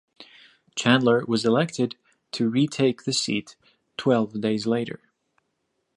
Chandler was elected to retake the seat twelve days later.